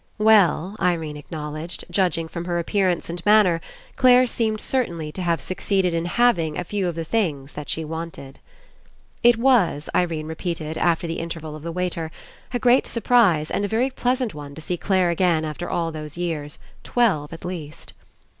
Well, Irene acknowledged, judging from her appearance and manner, Clare seemed certainly to have succeeded In having a few of the things that she wanted. It was, Irene repeated, after the Inter val of the waiter, a great surprise and a very pleasant one to see Clare again after all those years, twelve at least.